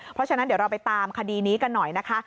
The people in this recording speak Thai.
เพราะฉะนั้นเดี๋ยวเราไปตามคดีนี้กันหน่อยนะคะ